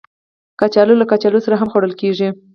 کچالو له کچالو سره هم خوړل کېږي